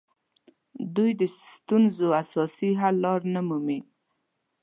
دوی د ستونزو اساسي حل لارې نه مومي